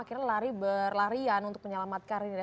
akhirnya lari berlarian untuk menyelamatkan diri